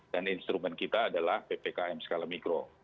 dan instrumen kita adalah ppkm skala mikro